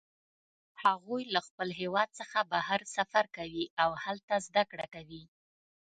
هغوی له خپل هیواد څخه بهر سفر کوي او هلته زده کړه کوي